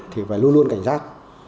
thì phải luôn luôn cảnh giác